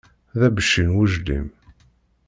D abecci n wejlim.